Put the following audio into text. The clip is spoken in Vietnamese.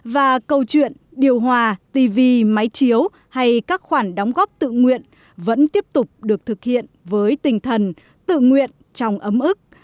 và câu chuyện điều hòa tv máy chiếu hay các khoản đóng góp tự nguyện vẫn tiếp tục được thực hiện với tinh thần tự nguyện trong ấm ức